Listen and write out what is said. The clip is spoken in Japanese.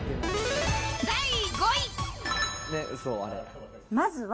第５位。